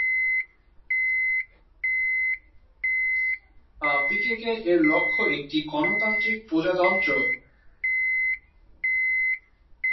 পিকেকে এর লক্ষ্য একটি "গণতান্ত্রিক প্রজাতন্ত্র"।